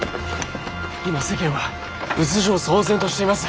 今世間は物情騒然としています。